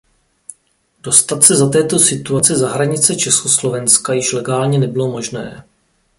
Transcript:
Dostat se za této situace za hranice Československa již legálně nebylo možné.